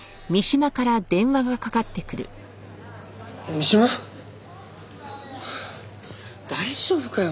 三島？はあ大丈夫かよ？